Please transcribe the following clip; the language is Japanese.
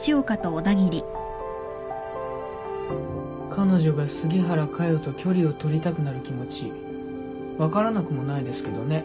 彼女が杉原佳代と距離を取りたくなる気持ち分からなくもないですけどね。